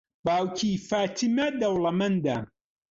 باوکی فاتیمە دەوڵەمەندە.